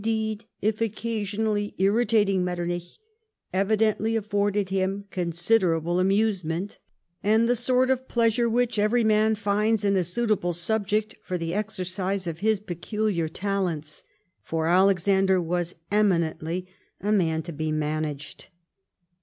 Altxamler, iudecd, if occasionally irritating Mettcrnicli, evidently aflforded him consiikrablc amusement, and the sort of pleasure which every man finds in a suitable subject for the exercise of his peculiar talents. For Alexander was eminently a man to be managed.